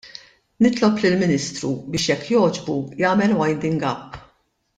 Nitlob lill-Ministru biex, jekk jogħġbu, jagħmel winding up.